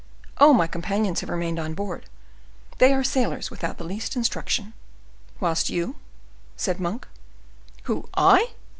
"Oh, my companions have remained on board; they are sailors without the least instruction." "Whilst you—" said Monk. "Who, I?"